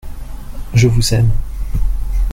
Je vous aime !